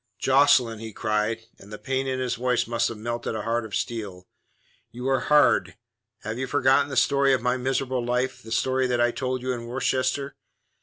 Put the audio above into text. "Jocelyn," he cried, and the pain in his voice must have melted a heart of steel, "you are hard. Have you forgotten the story of my miserable life, the story that I told you in Worcester?